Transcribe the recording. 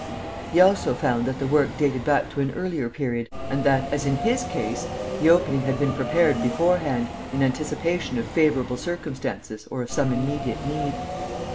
He also found that the work dated back to an earlier period and that, as in his case, the opening had been prepared beforehand, in anticipation of favourable circumstances or of some immediate need.